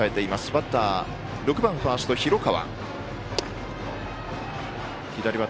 バッターは６番ファースト、広川。